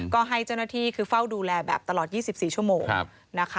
ก็ให้เจ้าหน้าที่คือเฝ้าดูแลแบบตลอด๒๔ชั่วโมงนะคะ